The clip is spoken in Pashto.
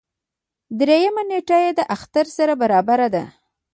دريیمه نېټه یې د اختر سره برابره ده.